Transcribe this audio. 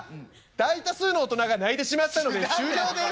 大多数の大人が泣いてしまったので終了です」。